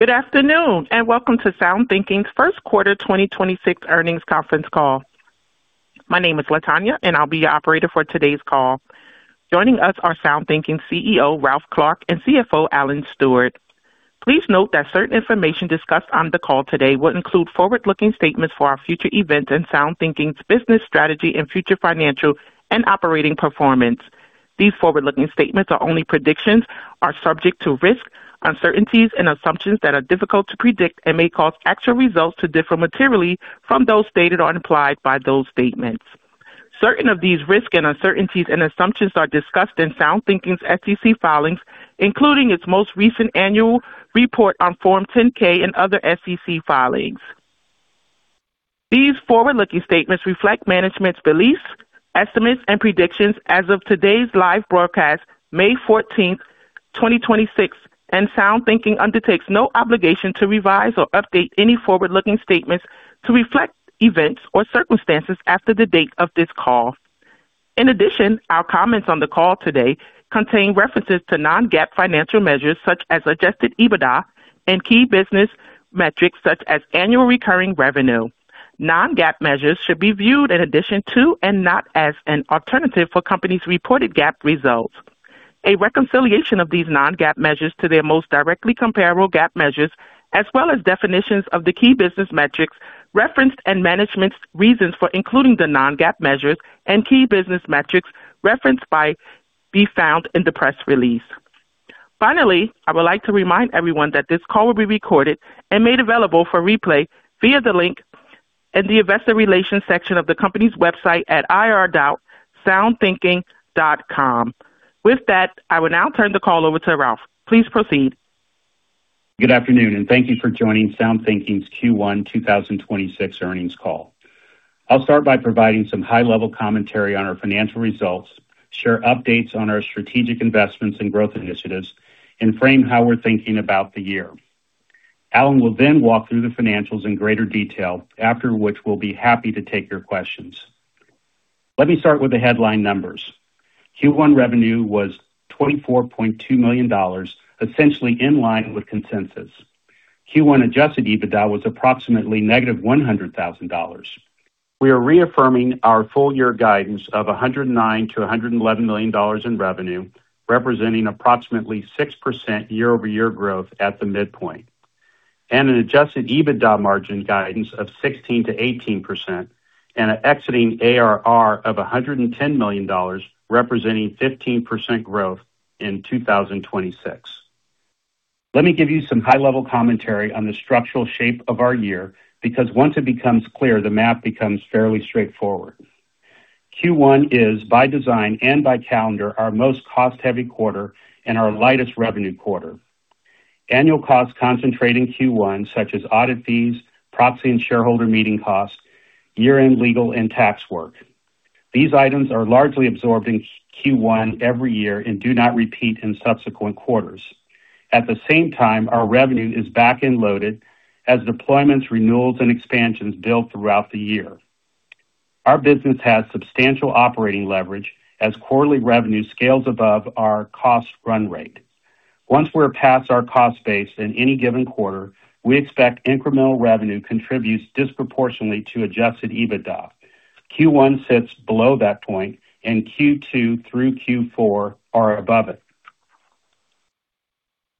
Good afternoon, and welcome to SoundThinking's First Quarter 2026 Earnings Conference Call. My name is Latonya, and I'll be your operator for today's call. Joining us are SoundThinking's CEO, Ralph Clark, and CFO, Alan Stewart. Please note that certain information discussed on the call today will include forward-looking statements for our future events and SoundThinking's business strategy and future financial and operating performance. These forward-looking statements are only predictions, are subject to risks, uncertainties, and assumptions that are difficult to predict and may cause actual results to differ materially from those stated or implied by those statements. Certain of these risks and uncertainties and assumptions are discussed in SoundThinking's SEC filings, including its most recent annual report on Form 10-K and other SEC filings. These forward-looking statements reflect management's beliefs, estimates, and predictions as of today's live broadcast, May 14, 2026. SoundThinking undertakes no obligation to revise or update any forward-looking statements to reflect events or circumstances after the date of this call. In addition, our comments on the call today contain references to non-GAAP financial measures such as adjusted EBITDA and key business metrics such as annual recurring revenue. Non-GAAP measures should be viewed in addition to and not as an alternative for company's reported GAAP results. A reconciliation of these non-GAAP measures to their most directly comparable GAAP measures, as well as definitions of the key business metrics referenced and management's reasons for including the non-GAAP measures and key business metrics referenced may be found in the press release. Finally, I would like to remind everyone that this call will be recorded and made available for replay via the link in the investor relations section of the company's website at ir.soundthinking.com. With that, I will now turn the call over to Ralph. Please proceed. Good afternoon, thank you for joining SoundThinking's Q1 2026 earnings call. I'll start by providing some high-level commentary on our financial results, share updates on our strategic investments and growth initiatives, and frame how we're thinking about the year. Alan will walk through the financials in greater detail, after which we'll be happy to take your questions. Let me start with the headline numbers. Q1 revenue was $24.2 million, essentially in line with consensus. Q1 adjusted EBITDA was approximately negative $100,000. We are reaffirming our full year guidance of $109 million-$111 million in revenue, representing approximately 6% year-over-year growth at the midpoint, and an adjusted EBITDA margin guidance of 16%-18% and an existing ARR of $110 million, representing 15% growth in 2026. Let me give you some high-level commentary on the structural shape of our year, because once it becomes clear, the math becomes fairly straightforward. Q1 is, by design and by calendar, our most cost-heavy quarter and our lightest revenue quarter. Annual costs concentrate in Q1, such as audit fees, proxy and shareholder meeting costs, year-end legal and tax work. These items are largely absorbed in Q1 every year and do not repeat in subsequent quarters. At the same time, our revenue is back-end loaded as deployments, renewals, and expansions build throughout the year. Our business has substantial operating leverage as quarterly revenue scales above our cost run rate. Once we're past our cost base in any given quarter, we expect incremental revenue contributes disproportionately to adjusted EBITDA. Q1 sits below that point, and Q2 through Q4 are above it.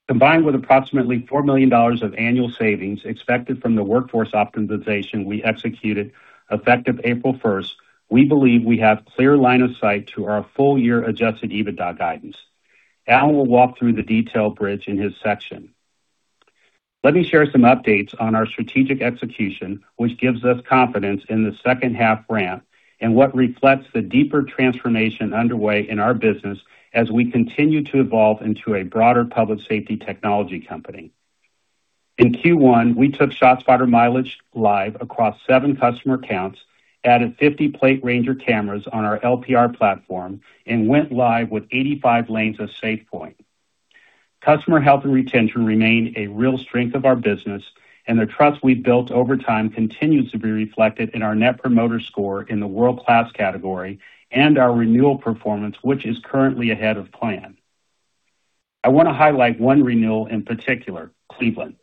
Combined with approximately $4 million of annual savings expected from the workforce optimization we executed effective April 1st, we believe we have clear line of sight to our full-year adjusted EBITDA guidance. Alan will walk through the detailed bridge in his section. Let me share some updates on our strategic execution, which gives us confidence in the second-half ramp and what reflects the deeper transformation underway in our business as we continue to evolve into a broader public safety technology company. In Q1, we took ShotSpotter mileage live across seven customer acccounts, added 50 PlateRanger cameras on our LPR platform, and went live with 85 lanes of SafePointe. Customer health and retention remained a real strength of our business, and the trust we've built over time continues to be reflected in our net promoter score in the world-class category and our renewal performance, which is currently ahead of plan. I wanna highlight one renewal in particular, Cleveland.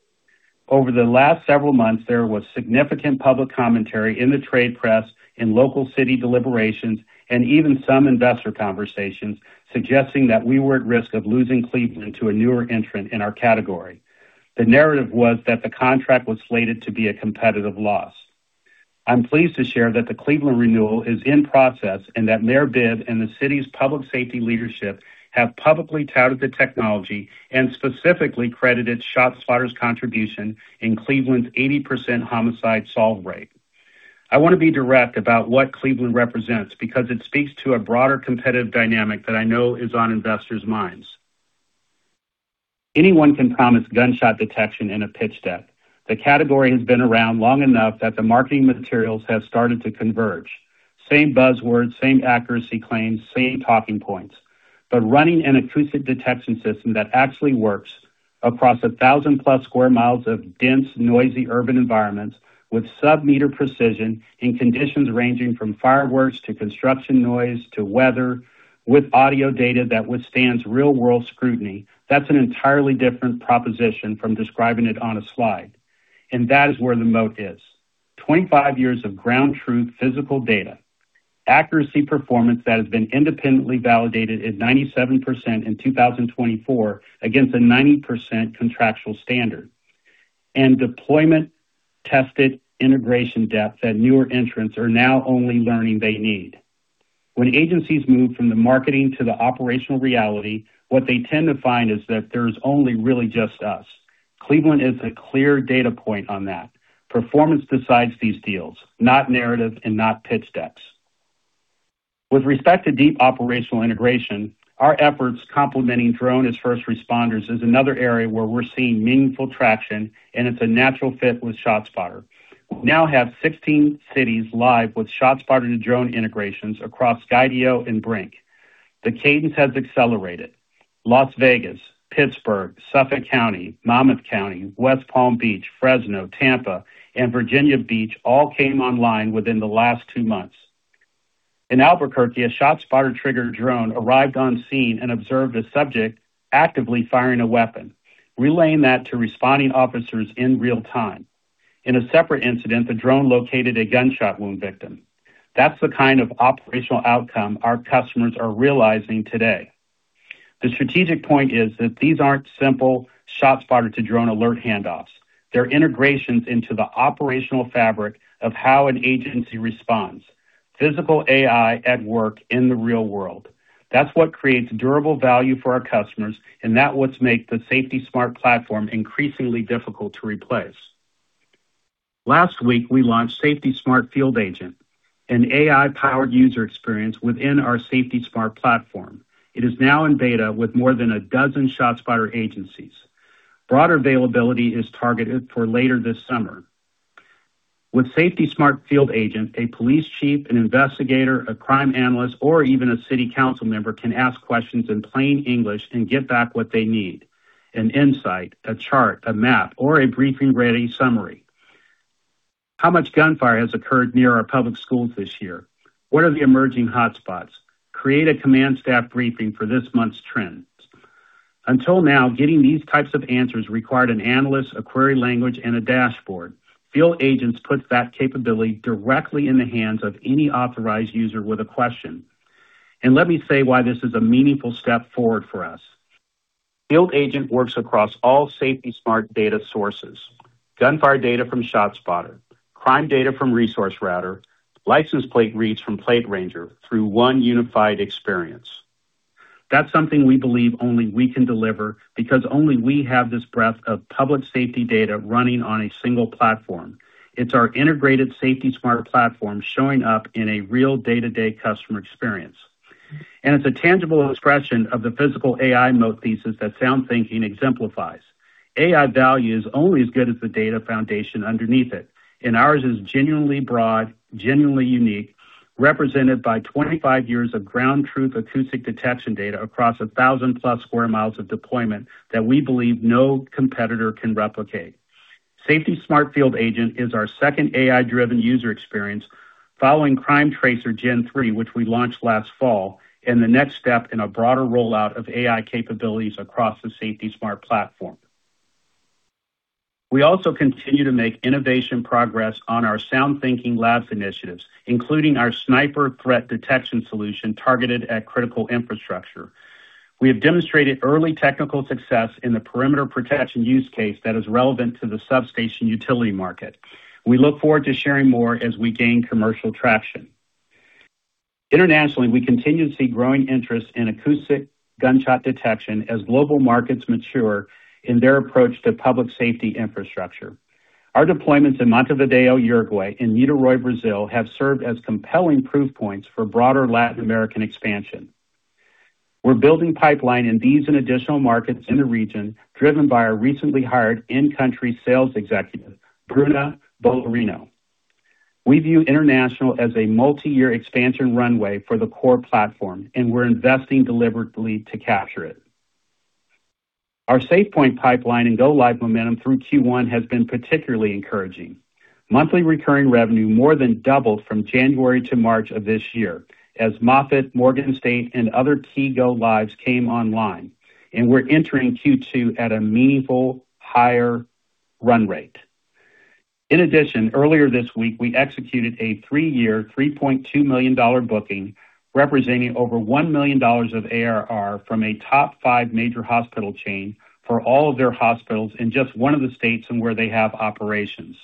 Over the last several months, there was significant public commentary in the trade press, in local city deliberations, and even some investor conversations suggesting that we were at risk of losing Cleveland to a newer entrant in our category. The narrative was that the contract was slated to be a competitive loss. I'm pleased to share that the Cleveland renewal is in process and that Mayor Bibb and the city's public safety leadership have publicly touted the technology and specifically credited ShotSpotter's contribution in Cleveland's 80% homicide solve rate. I wanna be direct about what Cleveland represents because it speaks to a broader competitive dynamic that I know is on investors' minds. Anyone can promise gunshot detection in a pitch deck. The category has been around long enough that the marketing materials have started to converge. Same buzzwords, same accuracy claims, same talking points. Running an acoustic detection system that actually works across 1,000+ sq mi of dense, noisy urban environments with sub-meter precision in conditions ranging from fireworks to construction noise to weather with audio data that withstands real-world scrutiny, that's an entirely different proposition from describing it on a slide, and that is where the moat is. 25 years of ground truth physical data, accuracy performance that has been independently validated at 97% in 2024 against a 90% contractual standard, and deployment-tested integration depth that newer entrants are now only learning they need. When agencies move from the marketing to the operational reality, what they tend to find is that there's only really just us. Cleveland is a clear data point on that. Performance decides these deals, not narrative and not pitch decks. With respect to deep operational integration, our efforts complementing drone as first responders is another area where we're seeing meaningful traction, and it's a natural fit with ShotSpotter. We now have 16 cities live with ShotSpotter to drone integrations across Skydio and BRINC. The cadence has accelerated. Las Vegas, Pittsburgh, Suffolk County, Monmouth County, West Palm Beach, Fresno, Tampa, and Virginia Beach all came online within the last two months. In Albuquerque, a ShotSpotter trigger drone arrived on scene and observed a subject actively firing a weapon, relaying that to responding officers in real time. In a separate incident, the drone located a gunshot wound victim. That's the kind of operational outcome our customers are realizing today. The strategic point is that these aren't simple ShotSpotter to drone alert handoffs. They're integrations into the operational fabric of how an agency responds. physical AI at work in the real world. That's what creates durable value for our customers, and that what's make the SafetySmart platform increasingly difficult to replace. Last week, we launched SafetySmart Field Agent, an AI-powered user experience within our SafetySmart platform. It is now in beta with more than a dozen ShotSpotter agencies. Broader availability is targeted for later this summer. With SafetySmart Field Agent, a police chief, an investigator, a crime analyst, or even a city council member can ask questions in plain English and get back what they need: an insight, a chart, a map, or a briefing-ready summary. How much gunfire has occurred near our public schools this year? What are the emerging hotspots? Create a command staff briefing for this month's trends. Until now, getting these types of answers required an analyst, a query language, and a dashboard. Field Agents puts that capability directly in the hands of any authorized user with a question. Let me say why this is a meaningful step forward for us. Field Agent works across all SafetySmart data sources: gunfire data from ShotSpotter, crime data from ResourceRouter, license plate reads from PlateRanger through one unified experience. That's something we believe only we can deliver because only we have this breadth of public safety data running on a single platform. It's our integrated SafetySmart platform showing up in a real day-to-day customer experience. It's a tangible expression of the physical AI moat thesis that SoundThinking exemplifies. AI value is only as good as the data foundation underneath it, and ours is genuinely broad, genuinely unique, represented by 25 years of ground truth acoustic detection data across 1,000-plus square miles of deployment that we believe no competitor can replicate. SafetySmart Field Agent is our second AI-driven user experience following CrimeTracer Gen3, which we launched last fall, and the next step in a broader rollout of AI capabilities across the SafetySmart platform. We also continue to make innovation progress on our SoundThinking Labs initiatives, including our sniper threat detection solution targeted at critical infrastructure. We have demonstrated early technical success in the perimeter protection use case that is relevant to the substation utility market. We look forward to sharing more as we gain commercial traction. Internationally, we continue to see growing interest in acoustic gunshot detection as global markets mature in their approach to public safety infrastructure. Our deployments in Montevideo, Uruguay, and Niterói, Brazil, have served as compelling proof points for broader Latin American expansion. We're building pipeline in these and additional markets in the region, driven by our recently hired in-country sales executive, Bruna Bolorino. We view international as a multi-year expansion runway for the core platform, and we're investing deliberately to capture it. Our SafePointe pipeline and go-live momentum through Q1 has been particularly encouraging. Monthly recurring revenue more than doubled from January to March of this year as Moffitt, Morgan State, and other key go-lives came online, and we're entering Q2 at a meaningful higher run rate. Earlier this week, we executed a three-year, $3.2 million booking representing over $1 million of ARR from a top five major hospital chain for all of their hospitals in just one of the states and where they have operations.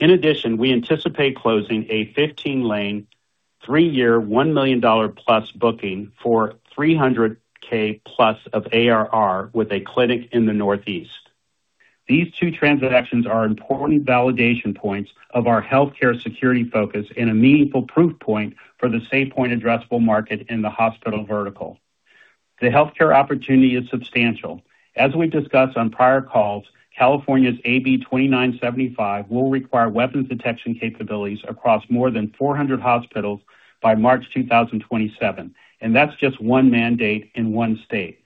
We anticipate closing a 15-lane, three-year, $1 million-plus booking for $300K+ of ARR with a clinic in the Northeast. These two transactions are important validation points of our healthcare security focus and a meaningful proof point for the SafePointe addressable market in the hospital vertical. The healthcare opportunity is substantial. As we discussed on prior calls, California's AB 2975 will require weapon detection capabilities across more than 400 hospitals by March 2027, and that's just one mandate in one state.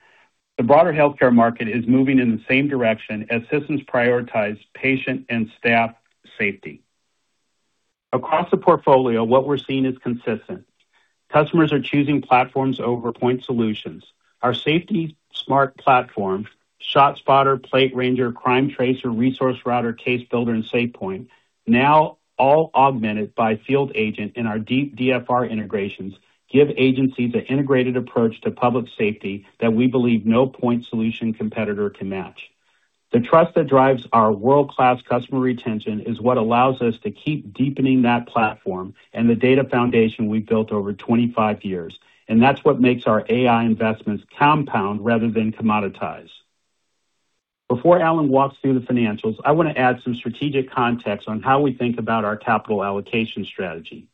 The broader healthcare market is moving in the same direction as systems prioritize patient and staff safety. Across the portfolio, what we're seeing is consistent. Customers are choosing platforms over point solutions. Our SafetySmart platform, ShotSpotter, PlateRanger, CrimeTracer, ResourceRouter, CaseBuilder, and SafePointe, now all augmented by SafetySmart Field Agent in our deep DFR integrations, give agencies an integrated approach to public safety that we believe no point solution competitor can match. The trust that drives our world-class customer retention is what allows us to keep deepening that platform and the data foundation we've built over 25 years. That's what makes our AI investments compound rather than commoditize. Before Alan walks through the financials, I wanna add some strategic context on how we think about our capital allocation strategy.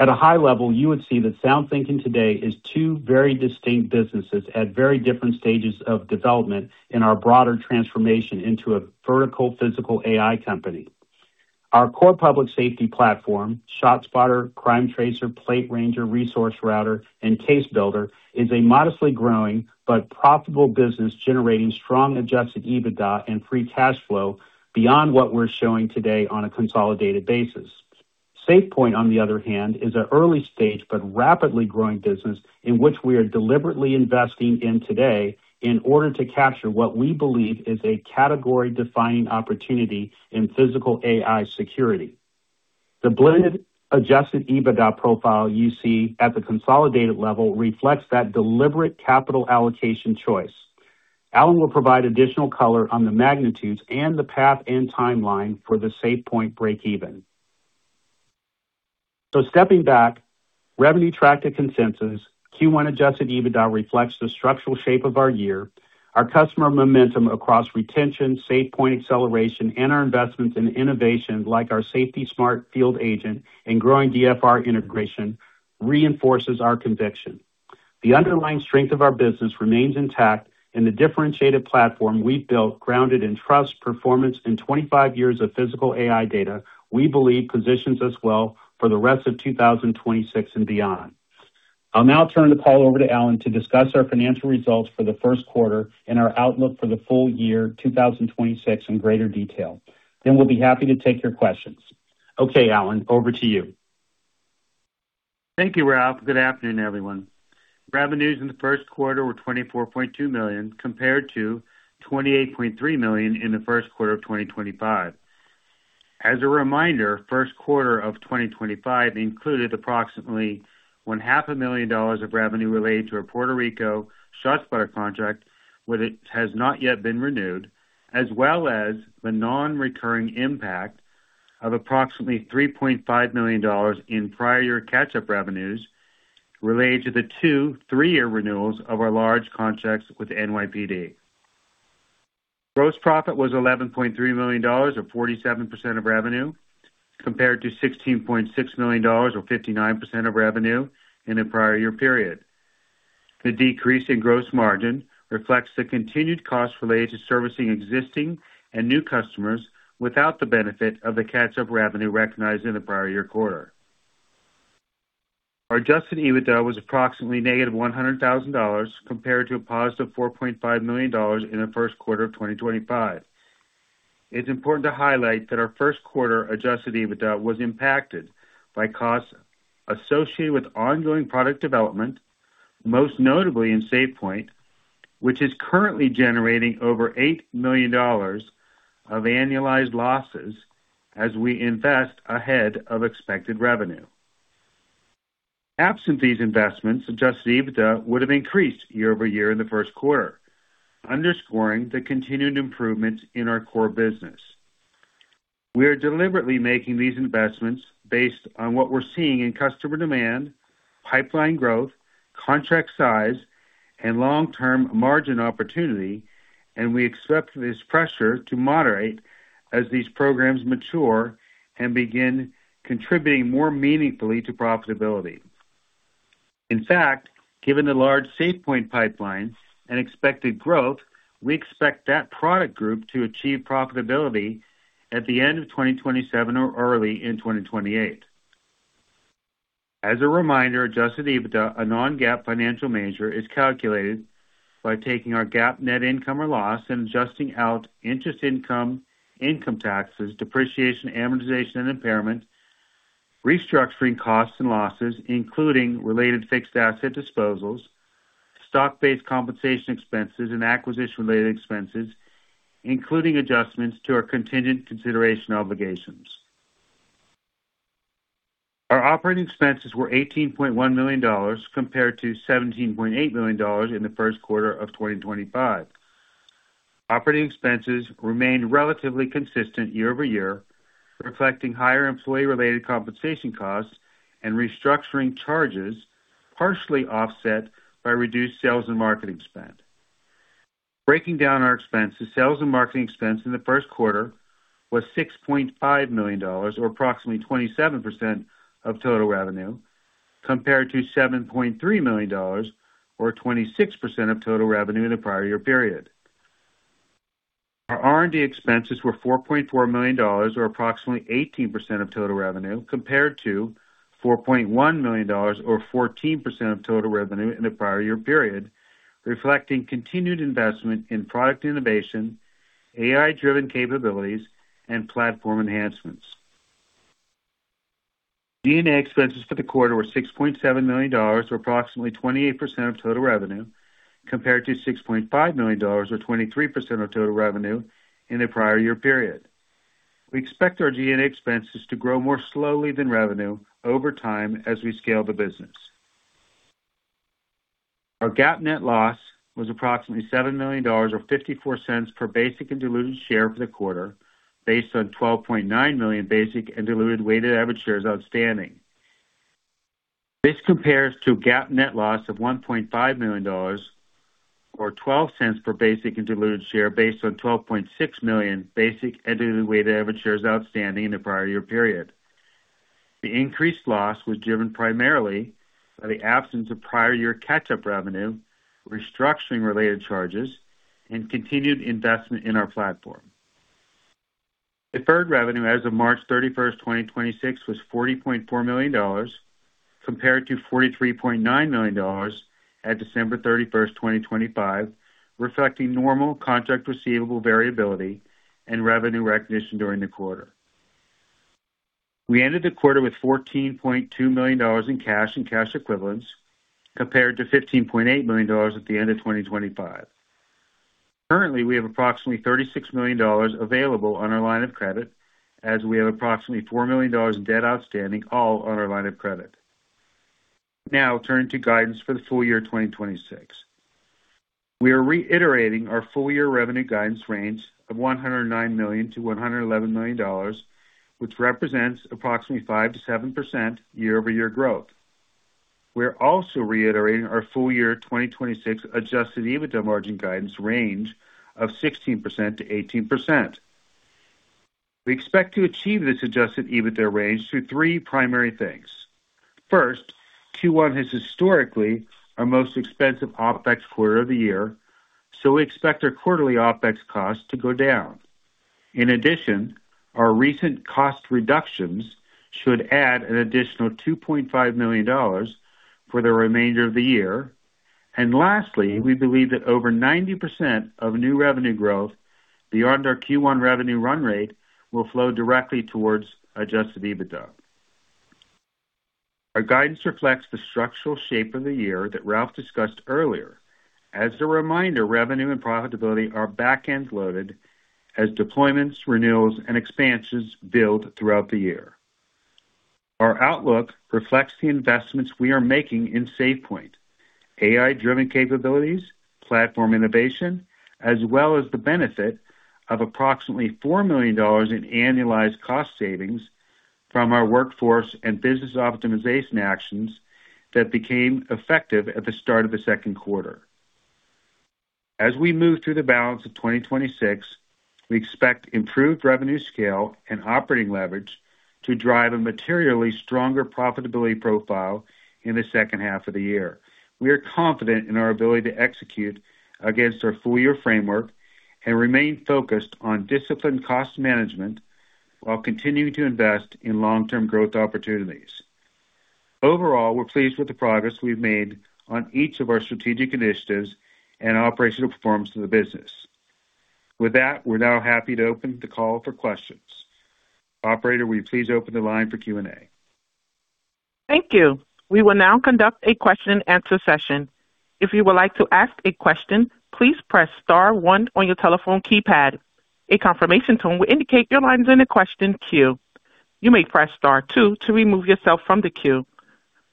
At a high level, you would see that SoundThinking today is two very distinct businesses at very different stages of development in our broader transformation into a vertical physical AI company. Our core public safety platform, ShotSpotter, CrimeTracer, PlateRanger, ResourceRouter, and CaseBuilder, is a modestly growing but profitable business generating strong adjusted EBITDA and free cash flow beyond what we're showing today on a consolidated basis. SafePointe, on the other hand, is an early-stage but rapidly growing business in which we are deliberately investing in today in order to capture what we believe is a category-defining opportunity in physical AI security. The blended adjusted EBITDA profile you see at the consolidated level reflects that deliberate capital allocation choice. Alan will provide additional color on the magnitudes and the path and timeline for the SafePointe breakeven. Stepping back, revenue tracked at consensus. Q1 adjusted EBITDA reflects the structural shape of our year. Our customer momentum across retention, SafePointe acceleration, and our investments in innovation like our SafetySmart Field Agent and growing DFR integration reinforces our conviction. The underlying strength of our business remains intact, and the differentiated platform we've built grounded in trust, performance, and 25 years of physical AI data, we believe positions us well for the rest of 2026 and beyond. I'll now turn the call over to Alan to discuss our financial results for the first quarter and our outlook for the full year 2026 in greater detail. We'll be happy to take your questions. Okay, Alan, over to you. Thank you, Ralph. Good afternoon, everyone. Revenues in the first quarter were $24.2 million compared to $28.3 million in the first quarter of 2025. As a reminder, first quarter of 2025 included approximately $0.5 million of revenue related to a Puerto Rico ShotSpotter contract, where it has not yet been renewed, as well as the non-recurring impact of approximately $3.5 million in prior year catch-up revenues related to the two three-year renewals of our large contracts with NYPD. Gross profit was $11.3 million or 47% of revenue, compared to $16.6 million or 59% of revenue in the prior year period. The decrease in gross margin reflects the continued cost related to servicing existing and new customers without the benefit of the catch-up revenue recognized in the prior year quarter. Our adjusted EBITDA was approximately -$100,000 compared to a +$4.5 million in the first quarter of 2025. It's important to highlight that our first quarter adjusted EBITDA was impacted by costs associated with ongoing product development, most notably in SafePointe, which is currently generating over $8 million of annualized losses as we invest ahead of expected revenue. Absent these investments, adjusted EBITDA would have increased year-over-year in the first quarter, underscoring the continued improvements in our core business. We are deliberately making these investments based on what we're seeing in customer demand, pipeline growth, contract size, and long-term margin opportunity, and we expect this pressure to moderate as these programs mature and begin contributing more meaningfully to profitability. In fact, given the large SafePointe pipeline and expected growth, we expect that product group to achieve profitability at the end of 2027 or early in 2028. As a reminder, adjusted EBITDA, a non-GAAP financial measure, is calculated by taking our GAAP net income or loss and adjusting out interest income taxes, depreciation, amortization, and impairment, restructuring costs and losses, including related fixed asset disposals, stock-based compensation expenses, and acquisition-related expenses, including adjustments to our contingent consideration obligations. Our operating expenses were $18.1 million compared to $17.8 million in the first quarter of 2025. Operating expenses remained relatively consistent year-over-year, reflecting higher employee-related compensation costs and restructuring charges, partially offset by reduced sales and marketing spend. Breaking down our expenses, sales and marketing expense in the first quarter was $6.5 million or approximately 27% of total revenue, compared to $7.3 million or 26% of total revenue in the prior year period. Our R&D expenses were $4.4 million or approximately 18% of total revenue compared to $4.1 million or 14% of total revenue in the prior year period, reflecting continued investment in product innovation-AI-driven capabilities, and platform enhancements. G&A expenses for the quarter were $6.7 million, or approximately 28% of total revenue, compared to $6.5 million, or 23% of total revenue in the prior year period. We expect our G&A expenses to grow more slowly than revenue over time as we scale the business. Our GAAP net loss was approximately $7 million, or $0.54 per basic and diluted share for the quarter, based on 12.9 million basic and diluted weighted average shares outstanding. This compares to a GAAP net loss of $1.5 million, or $0.12 per basic and diluted share based on 12.6 million basic and diluted weighted average shares outstanding in the prior year period. The increased loss was driven primarily by the absence of prior year catch-up revenue, restructuring related charges, and continued investment in our platform. Deferred revenue as of March 31, 2026 was $40.4 million compared to $43.9 million at December 31, 2025, reflecting normal contract receivable variability and revenue recognition during the quarter. We ended the quarter with $14.2 million in cash and cash equivalents compared to $15.8 million at the end of 2025. Currently, we have approximately $36 million available on our line of credit as we have approximately $4 million in debt outstanding, all on our line of credit. Turning to guidance for the full year 2026. We are reiterating our full year revenue guidance range of $109 million-$111 million, which represents approximately 5%-7% year-over-year growth. We are also reiterating our full year 2026 adjusted EBITDA margin guidance range of 16%-18%. We expect to achieve this adjusted EBITDA range through three primary things. First, Q1 is historically our most expensive OpEx quarter of the year, so we expect our quarterly OpEx costs to go down. In addition our recent cost reductions should add an additional $2.5 million for the remainder of the year. Lastly, we believe that over 90% of new revenue growth beyond our Q1 revenue run rate will flow directly towards adjusted EBITDA. Our guidance reflects the structural shape of the year that Ralph discussed earlier. As a reminder, revenue and profitability are back-end loaded as deployments, renewals, and expansions build throughout the year. Our outlook reflects the investments we are making in SafePointe, AI-driven capabilities, platform innovation, as well as the benefit of approximately $4 million in annualized cost savings from our workforce and business optimization actions that became effective at the start of the second quarter. As we move through the balance of 2026, we expect improved revenue scale and operating leverage to drive a materially stronger profitability profile in the second half of the year. We are confident in our ability to execute against our full-year framework and remain focused on disciplined cost management while continuing to invest in long-term growth opportunities. Overall, we're pleased with the progress we've made on each of our strategic initiatives and operational performance of the business. With that, we're now happy to open the call for questions. Operator, will you please open the line for Q&A? Thank you. We will now conduct a question and answer session. If you would like to ask a question, please press star one on your telephone keypad. A confirmation tone will indicate your line's in the question queue. You may press star two to remove yourself from the queue.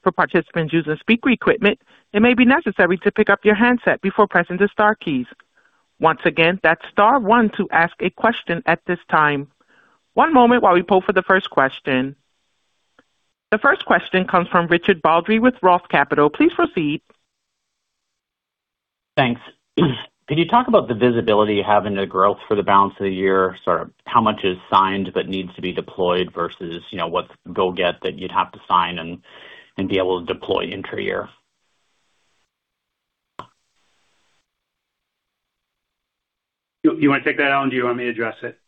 For participants using speaker equipment, it may be necessary to pick up your handset before pressing the star keys. Once again, that's star one to ask a question at this time. One moment while we poll for the first question. The first question comes from Richard Baldry with Roth Capital. Please proceed. Thanks. Could you talk about the visibility you have in the growth for the balance of the year, sort of how much is signed but needs to be deployed versus, you know, what go get that you'd have to sign and be able to deploy intra-year? You wanna take that, Alan? Do you want me to address it?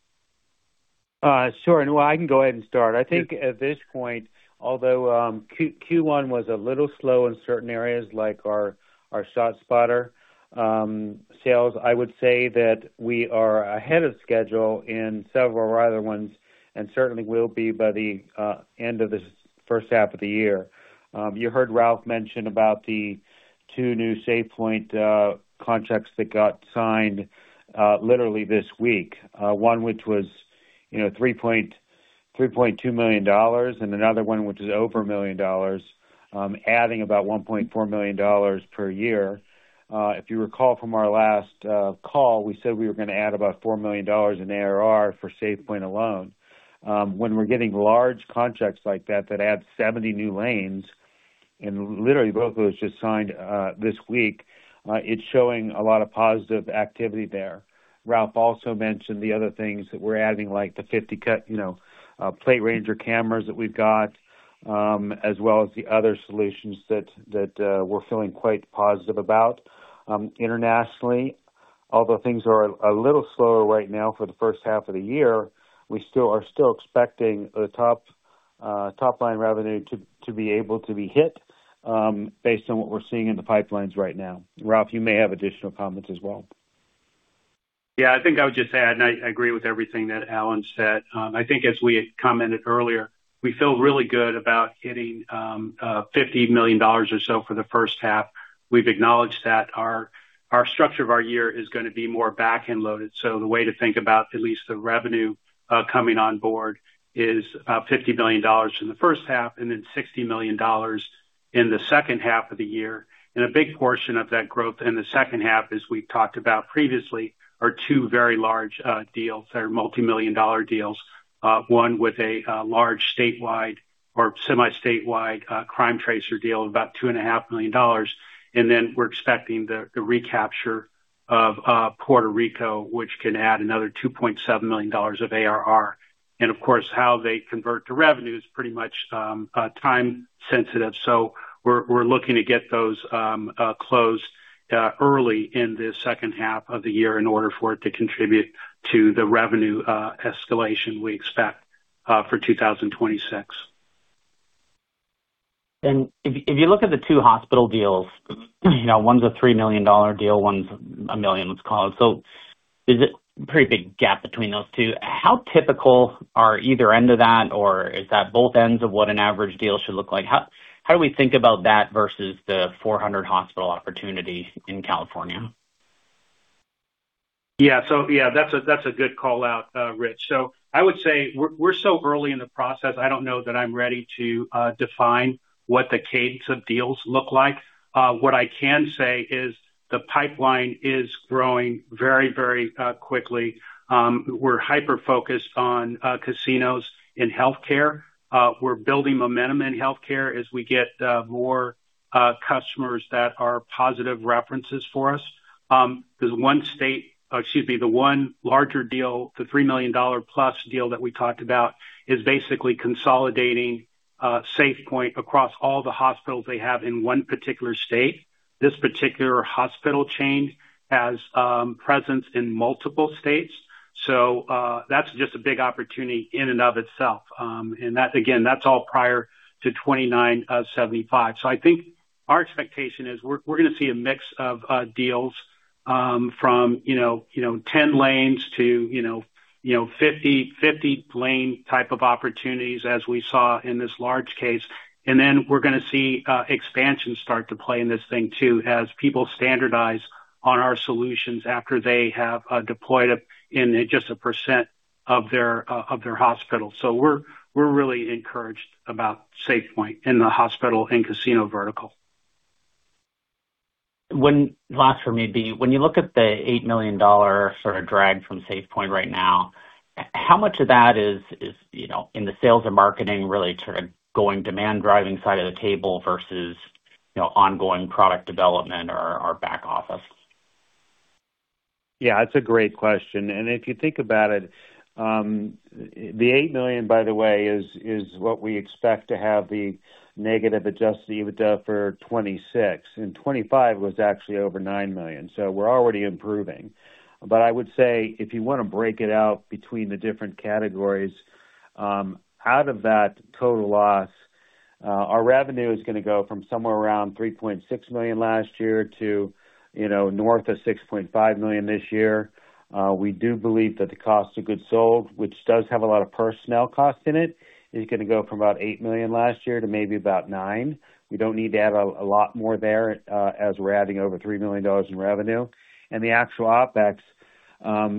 Sure. No, I can go ahead and start. I think at this point, although Q1 was a little slow in certain areas like our ShotSpotter sales, I would say that we are ahead of schedule in several of our other ones, and certainly will be by the end of this first half of the year. You heard Ralph mention about the two new SafePointe contracts that got signed literally this week. One which was, you know, $3.2 million and another one which is over $1 million, adding about $1.4 million per year. If you recall from our last call, we said we were gonna add about $4 million in ARR for SafePointe alone. When we're getting large contracts like that add 70 new lanes, and literally both of those just signed this week, it's showing a lot of positive activity there. Ralph also mentioned the other things that we're adding, like the 50 cut, you know, PlateRanger cameras that we've got, as well as the other solutions that we're feeling quite positive about. Internationally, although things are a little slower right now for the first half of the year, we still are still expecting the top line revenue to be able to be hit, based on what we're seeing in the pipelines right now. Ralph, you may have additional comments as well. Yeah, I think I would just add, and I agree with everything that Alan said. I think as we had commented earlier, we feel really good about hitting $50 million or so for the first half. We've acknowledged that our structure of our year is gonna be more back-end loaded. The way to think about at least the revenue coming on board is $50 million in the first half and then $60 million in the second half of the year. A big portion of that growth in the second half, as we've talked about previously, are two very large deals that are multi-million dollar deals. One with a large statewide or semi-statewide CrimeTracer deal of about $2.5 million. We're expecting the recapture of Puerto Rico, which can add another $2.7 million of ARR. Of course, how they convert to revenue is pretty much time sensitive. We're looking to get those closed early in the second half of the year in order for it to contribute to the revenue escalation we expect for 2026. If you look at the two hospital deals, you know, one's a $3 million deal, one's $1 million, let's call it. There's a pretty big gap between those two. How typical are either end of that, or is that both ends of what an average deal should look like? How do we think about that versus the 400 hospital opportunity in California? Yeah, that's a good call out, Rich. I would say we're so early in the process, I don't know that I'm ready to define what the cadence of deals look like. What I can say is the pipeline is growing very, very quickly. We're hyper-focused on casinos and healthcare. We're building momentum in healthcare as we get more customers that are positive references for us. Excuse me, the one larger deal, the $3 million plus deal that we talked about, is basically consolidating SafePointe across all the hospitals they have in one particular state. This particular hospital chain has presence in multiple states, that's just a big opportunity in and of itself. And that, again, that's all prior to AB 2975. I think our expectation is we're gonna see a mix of deals from, you know, 10 lanes to, you know, 50 lane type of opportunities as we saw in this large case. We're gonna see expansion start to play in this thing too, as people standardize on our solutions after they have deployed it in just a percent of their hospital. We're really encouraged about SafePointe in the hospital and casino vertical. Last for me would be, when you look at the $8 million sort of drag from SafePointe right now, how much of that is, you know, in the sales and marketing really sort of going demand driving side of the table versus, you know, ongoing product development or back office? Yeah, it's a great question. If you think about it, the $8 million, by the way, is what we expect to have the negative adjusted EBITDA for 2026, and 2025 was actually over $9 million, so we're already improving. I would say, if you wanna break it out between the different categories, out of that total loss, our revenue is gonna go from somewhere around $3.6 million last year to, you know, north of $6.5 million this year. We do believe that the cost of goods sold, which does have a lot of personnel costs in it, is gonna go from about $8 million last year to maybe about $9 million. We don't need to add a lot more there, as we're adding over $3 million in revenue. The actual OpEx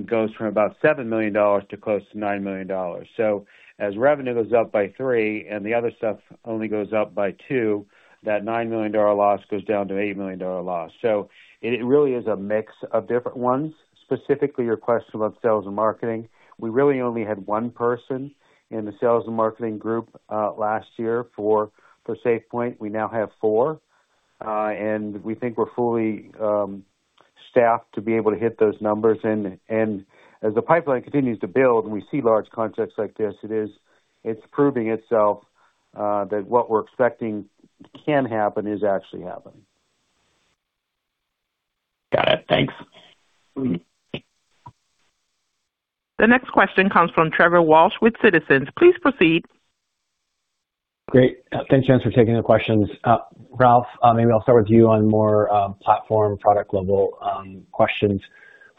goes from about $7 million to close to $9 million. As revenue goes up by three and the other stuff only goes up by two, that $9 million loss goes down to $8 million loss. It really is a mix of different ones. Specifically, your question about sales and marketing. We really only had one person in the sales and marketing group last year for SafePointe. We now have four. We think we're fully staffed to be able to hit those numbers. As the pipeline continues to build, and we see large contracts like this, it's proving itself that what we're expecting can happen is actually happening. Got it. Thanks. The next question comes from Trevor Walsh with Citizens. Please proceed. Great. Thanks again for taking the questions. Ralph, maybe I'll start with you on more platform product level questions.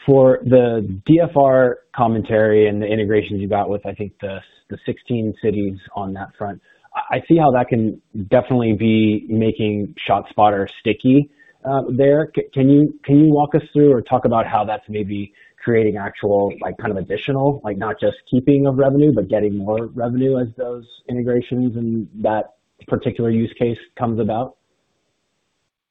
For the DFR commentary and the integrations you got with, I think, the 16 cities on that front, I see how that can definitely be making ShotSpotter sticky there. Can you walk us through or talk about how that's maybe creating actual, like, kind of additional, not just keeping of revenue, but getting more revenue as those integrations and that particular use case comes about?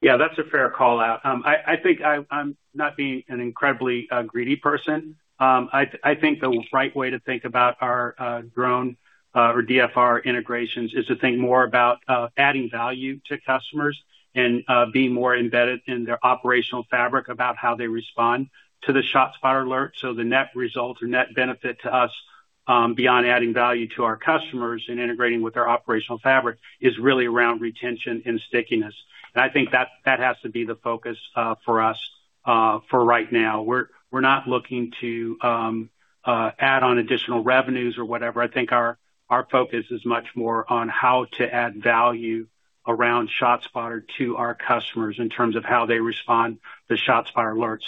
Yeah, that's a fair call-out. I think I'm not being an incredibly greedy person. I think the right way to think about our drone or DFR integrations is to think more about adding value to customers and being more embedded in their operational fabric about how they respond to the ShotSpotter alert. The net result or net benefit to us, beyond adding value to our customers and integrating with their operational fabric is really around retention and stickiness. I think that has to be the focus for us. For right now, we're not looking to add on additional revenues or whatever. I think our focus is much more on how to add value around ShotSpotter to our customers in terms of how they respond to ShotSpotter alerts.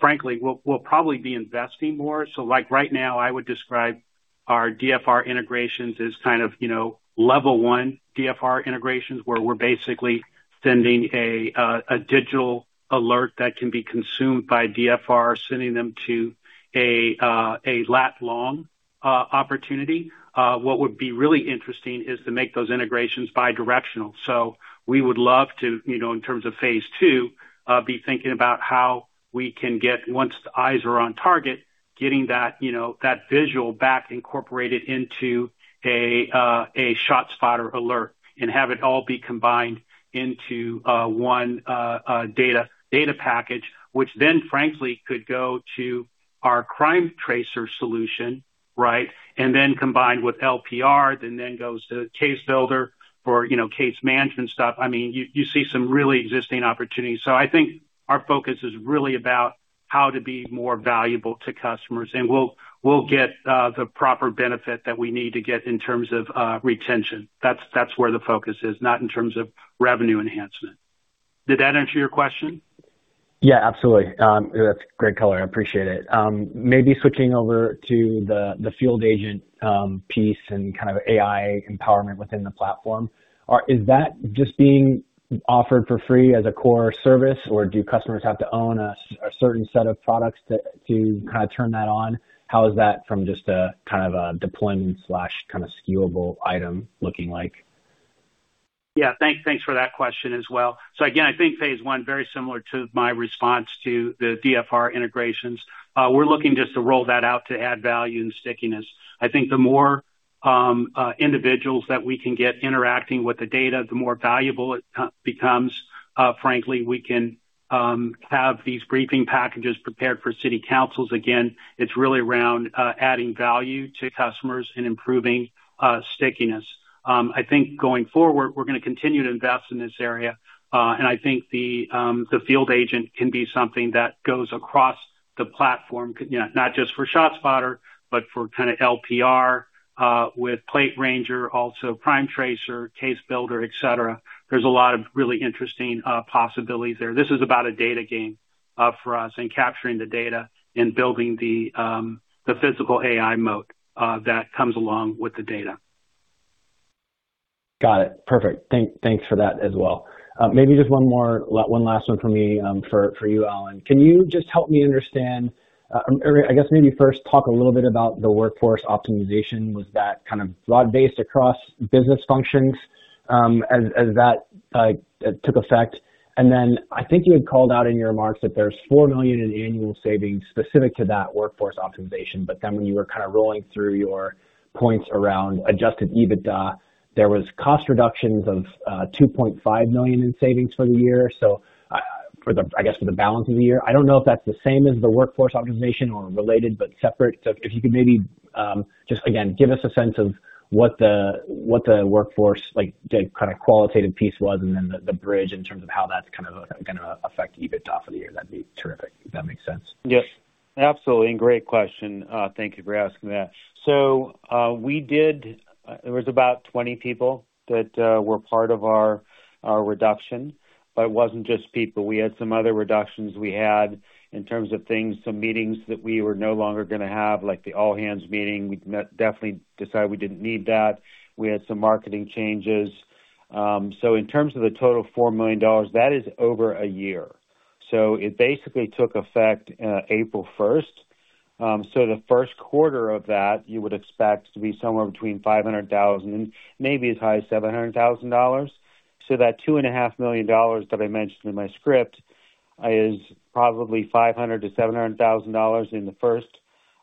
Frankly, we'll probably be investing more. Like right now, I would describe our DFR integrations as kind of, you know, level one DFR integrations, where we're basically sending a digital alert that can be consumed by DFR, sending them to a lat/long opportunity. What would be really interesting is to make those integrations bi-directional. We would love to, you know, in terms of phase II, be thinking about how we can get once the eyes are on target, getting that, you know, that visual back incorporated into a ShotSpotter alert and have it all be combined into one data package, which then frankly could go to our CrimeTracer solution, right? Combined with LPR, then goes to CaseBuilder for, you know, case management stuff. I mean, you see some really exciting opportunities. I think our focus is really about how to be more valuable to customers, and we'll get the proper benefit that we need to get in terms of retention. That's where the focus is, not in terms of revenue enhancement. Did that answer your question? Yeah, absolutely. That's great color. I appreciate it. Maybe switching over to the Field Agent piece and kind of AI empowerment within the platform. Is that just being offered for free as a core service, or do customers have to own a certain set of products to kind of turn that on? How is that from just a kind of a deployment/kind of SKU-able item looking like? Yeah. Thanks for that question as well. Again, I think phase one, very similar to my response to the DFR integrations. We're looking just to roll that out to add value and stickiness. I think the more individuals that we can get interacting with the data, the more valuable it co-becomes. Frankly, we can have these briefing packages prepared for city councils. Again, it's really around adding value to customers and improving stickiness. I think going forward, we're gonna continue to invest in this area. And I think the Field Agent can be something that goes across the platform, you know, not just for ShotSpotter, but for kind of LPR, with PlateRanger, also CrimeTracer, CaseBuilder, et cetera. There's a lot of really interesting possibilities there. This is about a data game for us and capturing the data and building the physical AI moat that comes along with the data. Got it. Perfect. Thanks for that as well. Maybe just one more, one last one for me, for you, Alan. Can you just help me understand, or I guess maybe first talk a little bit about the workforce optimization. Was that kind of broad-based across business functions, as that took effect? I think you had called out in your remarks that there's $4 million in annual savings specific to that workforce optimization. When you were kind of rolling through your points around adjusted EBITDA, there was cost reductions of $2.5 million in savings for the year. For the I guess for the balance of the year. I don't know if that's the same as the workforce optimization or related but separate. If you could maybe, just again, give us a sense of what the, what the workforce like the kind of qualitative piece was and then the bridge in terms of how that's kind of gonna affect EBITDA for the year, that'd be terrific, if that makes sense. Yes. Absolutely. Great question. Thank you for asking that. It was about 20 people that were part of our reduction, but it wasn't just people. We had some other reductions we had in terms of things, some meetings that we were no longer gonna have, like the all-hands meeting. We definitely decided we didn't need that. We had some marketing changes. In terms of the total of $4 million, that is over a year. It basically took effect April first. The first quarter of that, you would expect to be somewhere between $500,000, maybe as high as $700,000. That $2.5 million that I mentioned in my script is probably $500,000-$700,000 in the first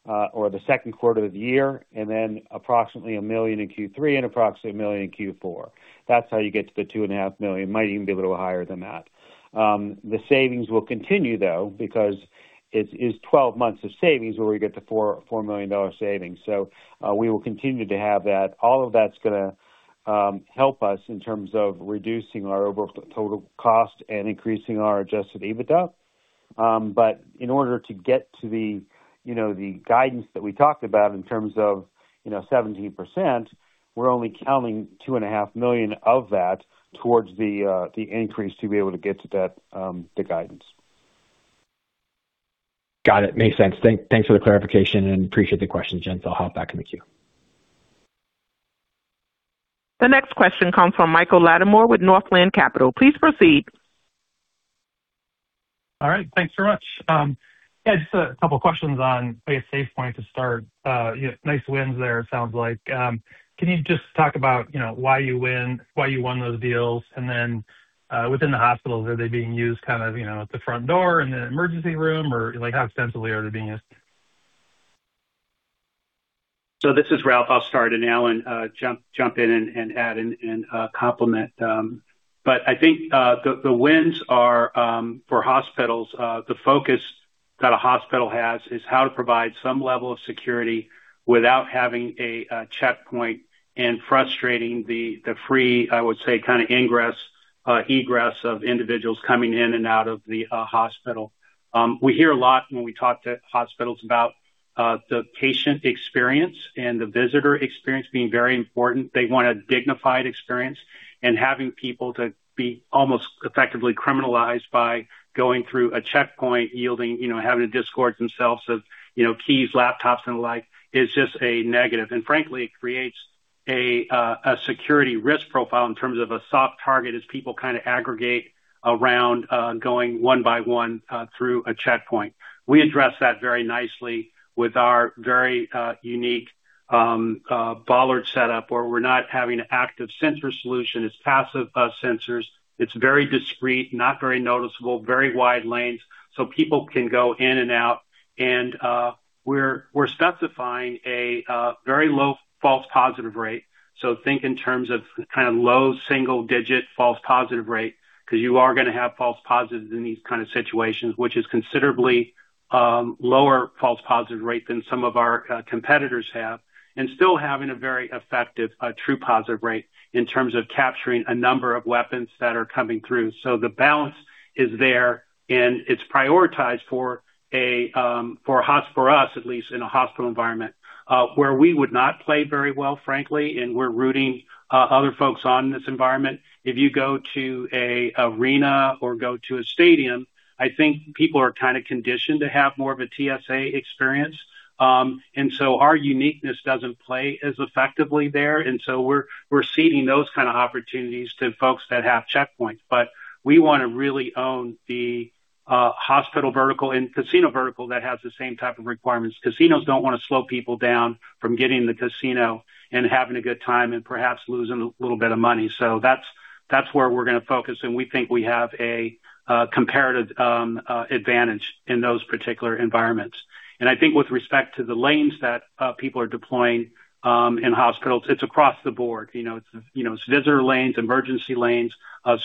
or second quarter of the year, and then approximately $1 million in Q3 and approximately $1 million in Q4. That's how you get to the $2.5 million. Might even be a little higher than that. The savings will continue, though, because it's 12 months of savings where we get the $4 million savings. We will continue to have that. All of that's gonna help us in terms of reducing our overall total cost and increasing our adjusted EBITDA. In order to get to the, you know, the guidance that we talked about in terms of, you know, 17%, we're only counting $2.5 million of that towards the increase to be able to get to that, the guidance. Got it. Makes sense. Thanks for the clarification and appreciate the question, gents. I'll hop back in the queue. The next question comes from Michael Latimore with Northland Capital. Please proceed. All right, thanks so much. Yeah, just a couple questions on, I guess, SafePointe to start. You know, nice wins there, it sounds like. Can you just talk about, you know, why you win, why you won those deals? Within the hospitals, are they being used kind of, you know, at the front door, in the emergency room, or like how extensively are they being used? This is Ralph. I'll start, Alan, jump in and add in and complement. I think the wins are for hospitals, the focus that a hospital has is how to provide some level of security without having a checkpoint and frustrating the free, I would say, kind of ingress, egress of individuals coming in and out of the hospital. We hear a lot when we talk to hospitals about the patient experience and the visitor experience being very important. They want a dignified experience and having people to be almost effectively criminalized by going through a checkpoint, yielding, you know, having to divest themselves of, you know, keys, laptops and the like, is just a negative. Frankly, it creates a security risk profile in terms of a soft target as people kind of aggregate around going 1x1 through a checkpoint. We address that very nicely with our very unique bollard setup, where we're not having an active sensor solution. It's passive sensors. It's very discreet, not very noticeable, very wide lanes, so people can go in and out. We're specifying a very low false positive rate. So think in terms of kind of low single-digit false positive rate, 'cause you are gonna have false positives in these kind of situations, which is considerably lower false positive rate than some of our competitors have, and still having a very effective true positive rate in terms of capturing a number of weapons that are coming through. The balance is there, and it's prioritized for us, at least in a hospital environment. Where we would not play very well, frankly, and we're rooting other folks on in this environment, if you go to a arena or go to a stadium, I think people are kind of conditioned to have more of a TSA experience. Our uniqueness doesn't play as effectively there. We're ceding those kinds of opportunities to folks that have checkpoints. We wanna really own the hospital vertical and casino vertical that has the same type of requirements. Casinos don't wanna slow people down from getting in the casino and having a good time and perhaps losing a little bit of money. That's where we're going to focus, and we think we have a comparative advantage in those particular environments. I think with respect to the lanes that people are deploying in hospitals, it's across the board. You know, it's visitor lanes, emergency lanes.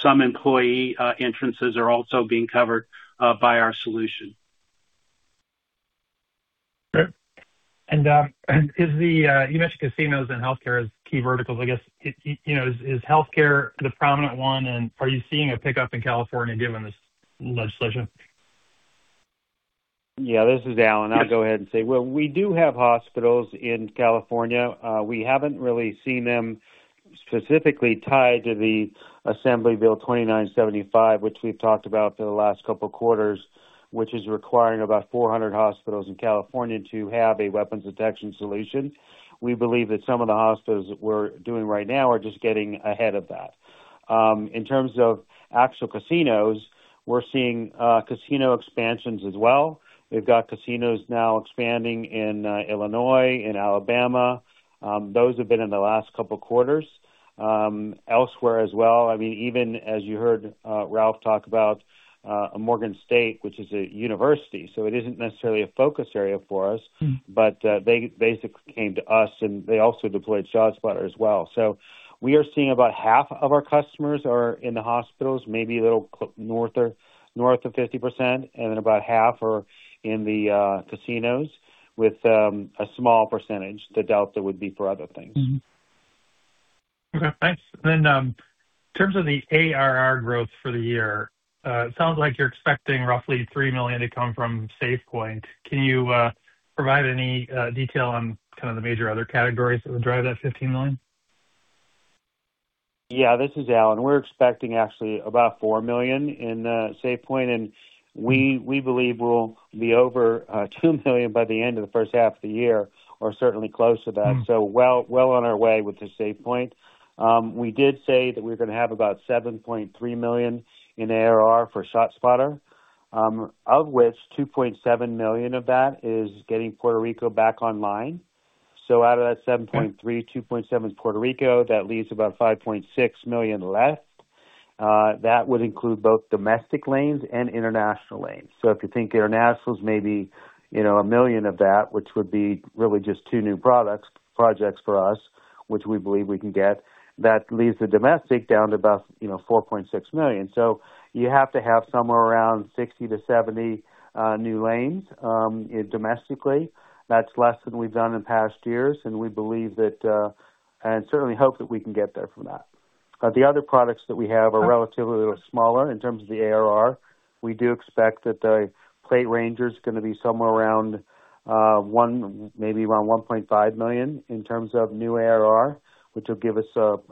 Some employee entrances are also being covered by our solution. Great. Is the, you mentioned casinos and healthcare as key verticals, I guess, you know, is healthcare the prominent one, and are you seeing a pickup in California given this legislation? This is Alan. I'll go ahead and say, well, we do have hospitals in California. We haven't really seen them specifically tied to the Assembly Bill 2975, which we've talked about for the last couple quarters, which is requiring about 400 hospitals in California to have a weapons detection solution. We believe that some of the hospitals that we're doing right now are just getting ahead of that. In terms of actual casinos, we're seeing casino expansions as well. We've got casinos now expanding in Illinois, in Alabama. Those have been in the last couple quarters. Elsewhere as well, I mean, even as you heard Ralph talk about Morgan State, which is a university, so it isn't necessarily a focus area for us. They basically came to us, and they also deployed ShotSpotter as well. We are seeing about 1/2 of our customers are in the hospitals, maybe a little north or north of 50%, and then about 1/2 are in the casinos, with a small percentage. The delta would be for other things. Okay, thanks. In terms of the ARR growth for the year, it sounds like you're expecting roughly $3 million to come from SafePointe. Can you provide any detail on kind of the major other categories that would drive that $15 million? Yeah. This is Alan. We're expecting actually about $4 million in SafePointe, and we believe we'll be over $2 million by the end of the first half of the year or certainly close to that. Well on our way with the SafePointe. We did say that we're gonna have about $7.3 million in ARR for ShotSpotter, of which $2.7 million of that is getting Puerto Rico back online. Out of that $7.3 million, $2.7 million's Puerto Rico, that leaves about $5.6 million left. That would include both domestic lanes and international lanes. If you think internationals maybe, you know, $1 million of that, which would be really just two new products, projects for us, which we believe we can get, that leaves the domestic down to about, you know, $4.6 million. You have to have somewhere around 60 to 70 new lanes domestically. That's less than we've done in past years, and we believe that, and certainly hope that we can get there from that. The other products that we have are relatively smaller in terms of the ARR. We do expect that the PlateRanger is gonna be somewhere around $1 million, maybe around $1.5 million in terms of new ARR, which will give us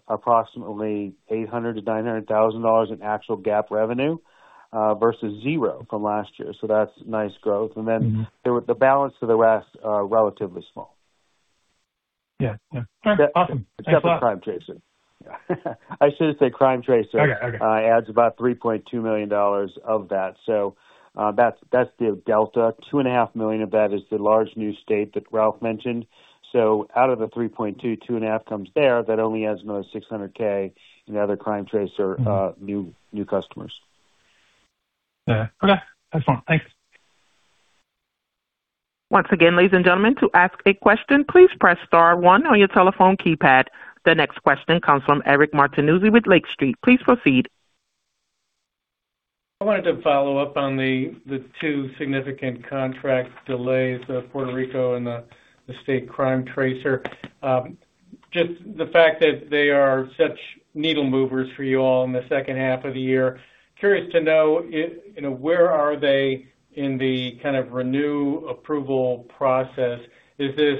approximately $800,000-$900,000 in actual GAAP revenue versus zero from last year. That's nice growth. The balance of the rest are relatively small. Yeah. Yeah. All right. Awesome. Thanks a lot. Except for CrimeTracer. I should say. Okay. adds about $3.2 million of that. That's the delta. $2.5 million of that is the large new state that Ralph mentioned. Out of the 3.2, 2.5 comes there. That only adds another $600K in other CrimeTracer new customers. Yeah. Okay. That's fine. Thanks. Once again, ladies and gentlemen, to ask a question, please press star one on your telephone keypad. The next question comes from Eric Martinuzzi with Lake Street. Please proceed. I wanted to follow up on the two significant contract delays of Puerto Rico and the state CrimeTracer. Just the fact that they are such needle movers for you all in the second half of the year, curious to know you know, where are they in the kind of renew approval process. Is this,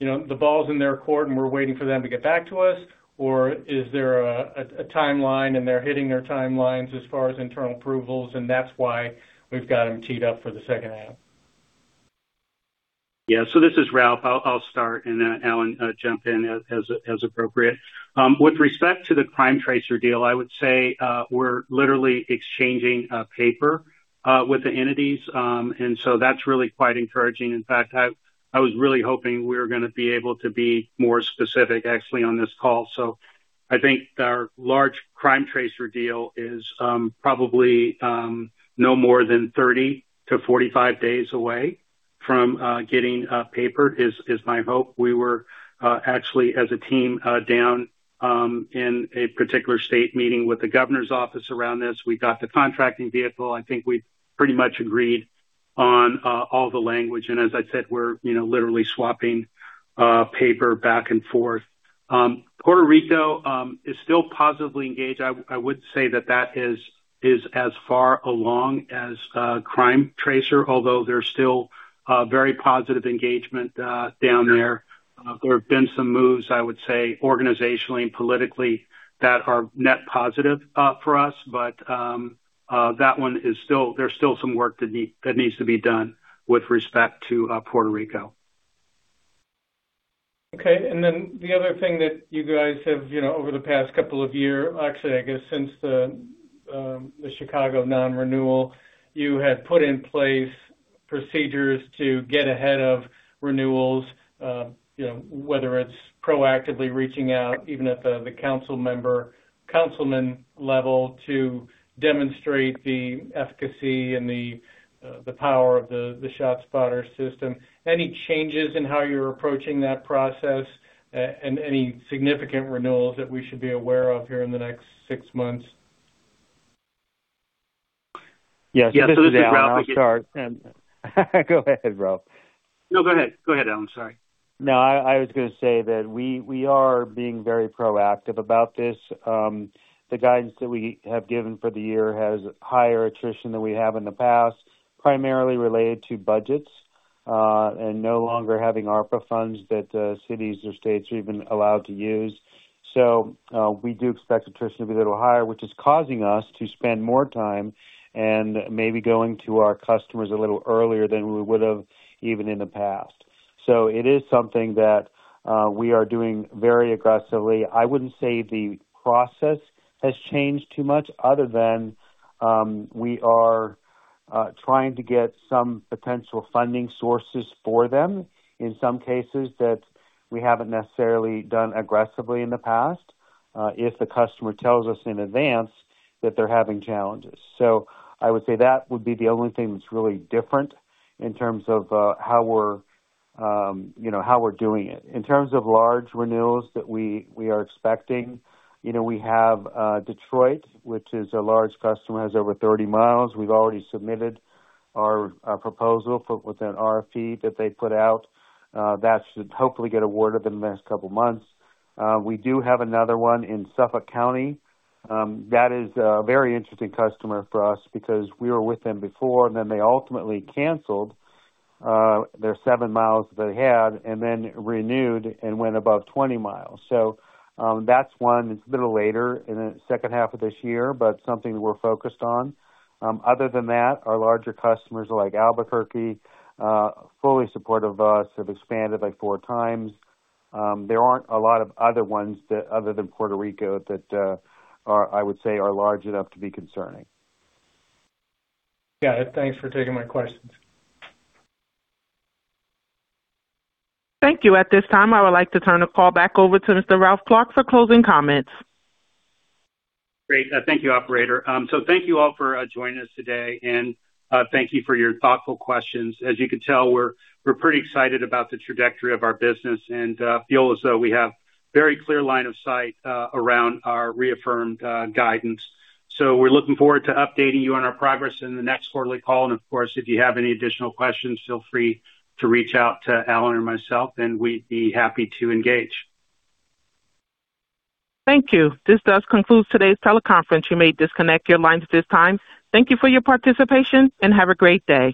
you know, the balls in their court, and we're waiting for them to get back to us? Or is there a timeline, and they're hitting their timelines as far as internal approvals, and that's why we've got them teed up for the second half? This is Ralph. I'll start, then Alan, jump in as appropriate. With respect to the CrimeTracer deal, I would say, we're literally exchanging paper with the entities. That's really quite encouraging. In fact, I was really hoping we were going to be able to be more specific actually on this call. I think our large CrimeTracer deal is probably no more than 30 to 45 days away from getting paper, is my hope. We were actually as a team down in a particular state meeting with the governor's office around this. We got the contracting vehicle. I think we pretty much agreed on all the language. As I said, we're, you know, literally swapping paper back and forth. Puerto Rico is still positively engaged. I would say that that is as far along as CrimeTracer, although there's still very positive engagement down there. There have been some moves, I would say, organizationally and politically that are net positive for us. That one is still. There's still some work that needs to be done with respect to Puerto Rico. Okay. The other thing that you guys have, you know, over the past couple of year, actually, I guess since the Chicago non-renewal, you had put in place procedures to get ahead of renewals, you know, whether it's proactively reaching out even at the council member, councilman level to demonstrate the efficacy and the power of the ShotSpotter system. Any changes in how you're approaching that process? Any significant renewals that we should be aware of here in the next six months? Yeah. This is Ralph. Yeah. This is Alan. I'll start and go ahead, Ralph. No, go ahead. Go ahead, Alan. Sorry. No, I was gonna say that we are being very proactive about this. The guidance that we have given for the year has higher attrition than we have in the past, primarily related to budgets, and no longer having ARPA funds that cities or states are even allowed to use. We do expect attrition to be a little higher, which is causing us to spend more time and maybe going to our customers a little earlier than we would've even in the past. It is something that we are doing very aggressively. I wouldn't say the process has changed too much other than we are trying to get some potential funding sources for them in some cases that we haven't necessarily done aggressively in the past, if the customer tells us in advance that they're having challenges. I would say that would be the only thing that's really different in terms of how we're doing it. In terms of large renewals that we are expecting, we have Detroit, which is a large customer, has over 30 mi. We've already submitted our proposal for within RFP that they put out. That should hopefully get awarded in the next couple months. We do have another one in Suffolk County. That is a very interesting customer for us because we were with them before, and then they ultimately canceled their 7 mi they had and then renewed and went above 20 mi. That's one. It's a little later in the second half of this year, but something we're focused on. Other than that, our larger customers like Albuquerque, fully supportive of us, have expanded by 4x. There aren't a lot of other ones that other than Puerto Rico that are, I would say are large enough to be concerning. Got it. Thanks for taking my questions. Thank you. At this time, I would like to turn the call back over to Mr. Ralph Clark for closing comments. Great. Thank you, operator. Thank you all for joining us today and thank you for your thoughtful questions. As you can tell, we're pretty excited about the trajectory of our business and feel as though we have very clear line of sight around our reaffirmed guidance. We're looking forward to updating you on our progress in the next quarterly call. Of course, if you have any additional questions, feel free to reach out to Alan or myself, and we'd be happy to engage. Thank you. This does conclude today's teleconference. You may disconnect your lines at this time. Thank you for your participation and have a great day.